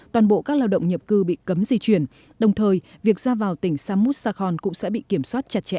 toàn bộ các lao động nhập cư bị cấm di chuyển đồng thời việc ra vào tỉnh samut sakon cũng sẽ bị kiểm soát chặt chẽ